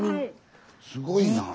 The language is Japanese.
すごいなあ。